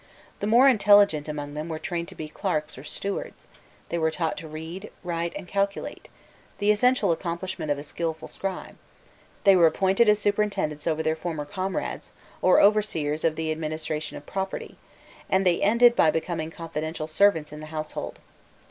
The more intelligent among them were trained to be clerks or stewards; they were taught to read, write, and calculate, the essential accomplishments of a skilful scribe; they were appointed as superintendents over their former comrades, or overseers of the administration of property, and they ended by becoming confidential servants in the household.